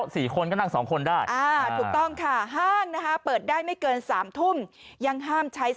สำหรับโต๊ะ๔คนก็นั่ง๒คนได้